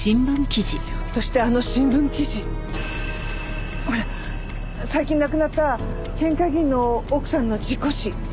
ひょっとしてあの新聞記事ほら最近亡くなった県会議員の奥さんの事故死。